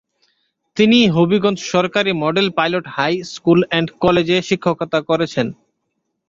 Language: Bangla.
তিনি হাজীগঞ্জ সরকারি model pilot high school and কলেজে শিক্ষকতা করেছেন।